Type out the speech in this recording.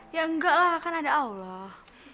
ya enggak lah kan ada allah